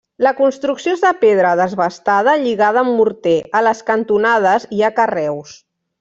La construcció és de pedra desbastada lligada amb morter, a les cantonades hi ha carreus.